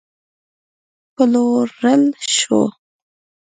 پلورل شو